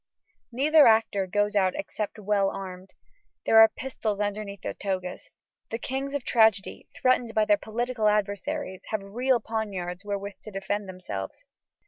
Neither actor goes out except well armed. There are pistols underneath their togas. The kings of tragedy, threatened by their political adversaries, have real poniards wherewith to defend themselves.